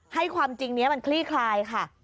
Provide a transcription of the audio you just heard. ให้ความจริงนี้มันคลี่คลายค่ะ